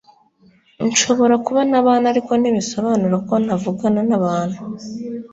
Nshobora kuba ntabana ariko ntibisobanura ko ntavugana nabantu